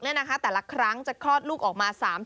แต่ละครั้งจะคลอดลูกออกมา๓๐